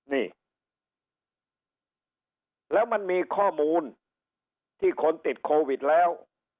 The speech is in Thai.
นี่แล้วมันมีข้อมูลที่คนติดโควิดแล้ว